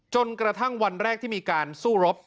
จนกระทั่งวันแรกที่มีการสู้รบ